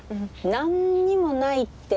何にもないって。